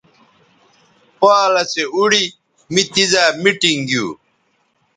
پالسے اوڑی می تیزائ میٹنگ گیو